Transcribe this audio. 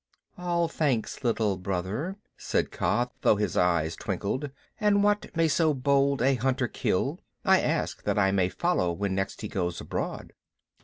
"All thanks, Little Brother," said Kaa, though his eyes twinkled. "And what may so bold a hunter kill? I ask that I may follow when next he goes abroad."